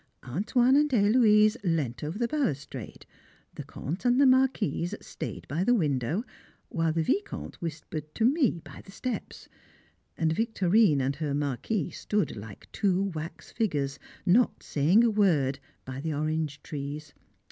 "Antoine" and Héloise leant over the balustrade; the Comte and the Marquise stayed by the window, while the Vicomte whispered to me by the steps; and Victorine and her Marquis stood like two wax figures, not saying a word, by the orange trees.